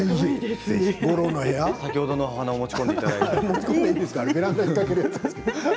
先ほどの花を持ち込んでいただいて。